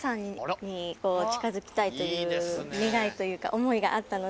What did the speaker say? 願いというか思いがあったので。